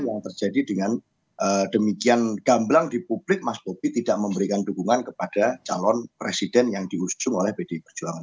yang terjadi dengan demikian gamblang di publik mas bobi tidak memberikan dukungan kepada calon presiden yang diusung oleh pdi perjuangan